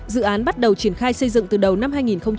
dự án bắt đầu triển khai xây dựng từ đầu năm hai nghìn một mươi sáu